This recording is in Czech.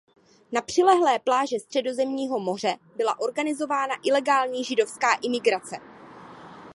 Na přilehlé pláži Středozemního moře byla organizována ilegální židovská imigrace.